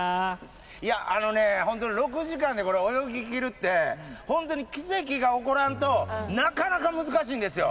あのね、本当に６時間でこれ泳ぎきるって、本当に奇跡が起こらんと、なかなか難しいんですよ。